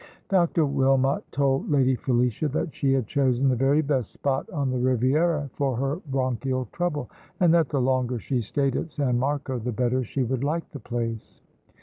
Dr. Wilmot told Lady Felicia that she had chosen the very best spot on the Riviera for her bronchial trouble, and that the longer she stayed at San Marco the better she would like the place.